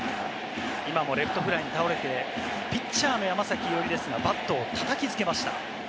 今もレフトフライに倒れて、ピッチャーの山崎伊織ですが、バットを叩きつけました。